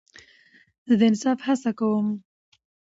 زه د انصاف هڅه کوم.